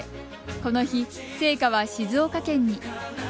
この日、聖火は静岡県に。